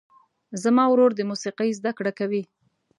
زما ورور د موسیقۍ زده کړه کوي.